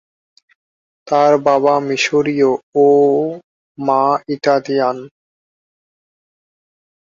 তার বাবা মিশরীয় এবং মা ইতালীয়।